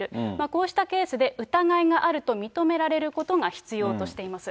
こうしたケースで疑いがあると認められることが必要としています。